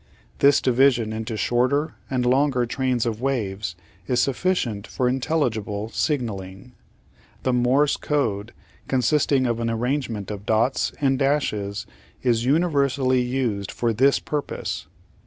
This division into shorter and longer trains of waves is sufficient for intelligible signalling. The Morse Code, consist ing of an arrangement of dots and dashes, is universally used for this purpose.